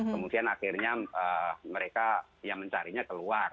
kemudian akhirnya mereka ya mencarinya keluar